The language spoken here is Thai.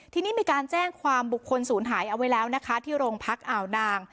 ทีนี้มีการแจ้งความบุคคลศูนย์หายเอาไว้แล้วนะคะที่โรงพักอ่าวนาง